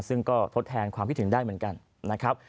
ซึ่งก็ทดแทนความคิดถึงได้เหมือนกันนะครับ